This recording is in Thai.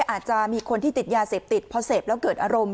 อาจจะมีคนที่ติดยาเสพติดพอเสพแล้วเกิดอารมณ์